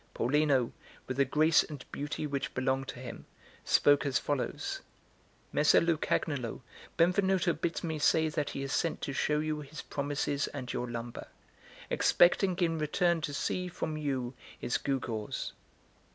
Paulino, with the grace and beauty which belonged to him, spoke as follows: "Messer Lucagnolo, Benvenuto bids me say that he has sent to show you his promises and your lumber, expecting in return to see from you his gewgaws."